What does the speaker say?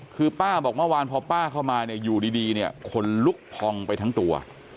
คือป้าบอกเมื่อวานพอป้าเข้ามาเนี่ยอยู่ดีเนี่ยคนลุกพองไปทั้งตัว